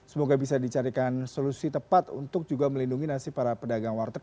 semoga bisa dicarikan solusi tepat untuk juga melindungi nasib para pedagang warteg